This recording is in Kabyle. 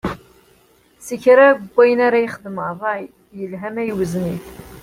Si kra n wayen ara yexdem, ṛṛay, yelha ma iwzen-it.